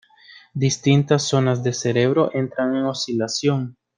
Distintas zonas de cerebro entran en oscilación.